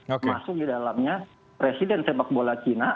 masuk di dalamnya presiden sepak bola china